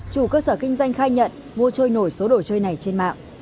chủ cơ sở kinh doanh khai nhận mua trôi nổi số đồ chơi này trên mạng